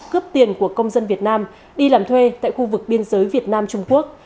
cướp tiền của công dân việt nam đi làm thuê tại khu vực biên giới việt nam trung quốc